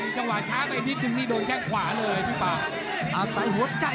สักที่จังหวะช้าไปนิดทุกนิดโดนแข้งขวาเลย